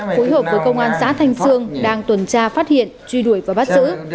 phối hợp với công an xã thanh sương đang tuần tra phát hiện truy đuổi và bắt giữ